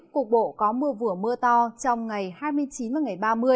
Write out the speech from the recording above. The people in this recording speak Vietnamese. cục bộ có mưa vừa mưa to trong ngày hai mươi chín và ngày ba mươi